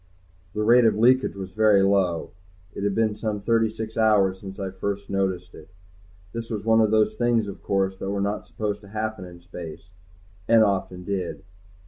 The rate of leakage was very low. It had been some thirty six hours since I'd first noticed it. This was one of those things, of course, that were not supposed to happen in space, and often did.